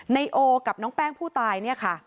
ในโอกับน้องแป้งผู้ตายเนี่ยค่ะ